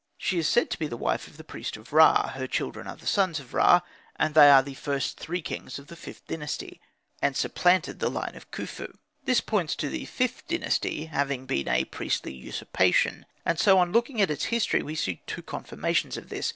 She is said to be wife of the priest of Ra, her children are sons of Ra, and they are the first three kings of the Vth dynasty, and supplanted the line of Khufu. This points to the Vth Dynasty having been a priestly usurpation; and on looking at its history we see two confirmations of this.